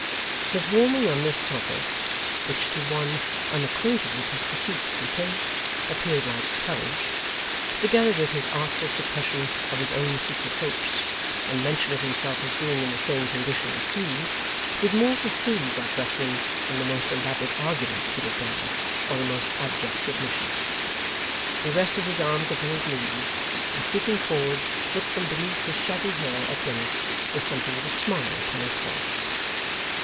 His warming on this topic, which to one unacquainted with his pursuits and tastes appeared like courage; together with his artful suppression of his own secret hopes, and mention of himself as being in the same condition with Hugh; did more to soothe that ruffian than the most elaborate arguments could have done, or the most abject submission. He rested his arms upon his knees, and stooping forward, looked from beneath his shaggy hair at Dennis, with something of a smile upon his face.